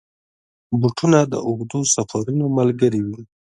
بوټونه د اوږدو سفرونو ملګري وي.